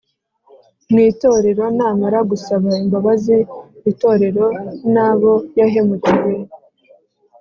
mu itorero namara gusaba imbabazi itorero n'abo yahemukiye